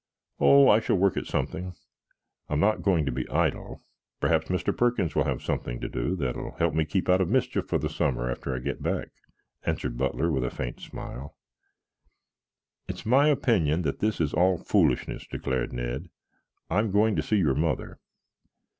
"Oh, I shall work at something. I'm not going to be idle. Perhaps Mr. Perkins will have something to do that will keep me out of mischief for the summer after I get back," answered Butler with a faint smile. "It's my opinion that this is all foolishness," declared Ned. "I'm going to see your mother."